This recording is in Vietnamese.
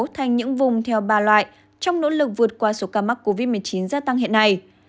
thành những vùng theo ba loại trong nỗ lực vượt qua số ca mắc covid một mươi chín gia tăng hiện nay